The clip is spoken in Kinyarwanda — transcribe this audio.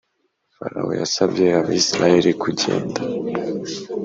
Farawo yasabye Abisirayeli kugenda